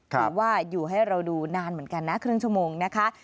ถือว่าอยู่ให้เราดูนานเหมือนกันนะครึ่งชั่วโมงนะคะ